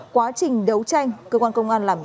quá trình đấu tranh cơ quan công an làm rõ